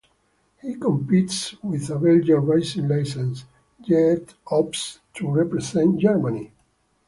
He competes with a Belgian racing licence, yet opts to represent Germany.